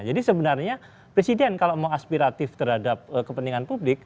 jadi sebenarnya presiden kalau mau aspiratif terhadap kepentingan publik